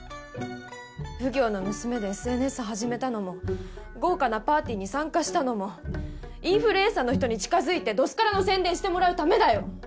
奉行のムスメでＳＮＳ始めたのも豪華なパーティーに参加したのもインフルエンサーの人に近づいてどすからの宣伝してもらうためだよ！